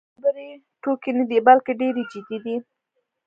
او دا خبرې ټوکې نه دي، بلکې ډېرې جدي دي.